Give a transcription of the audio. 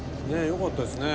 「よかったですね。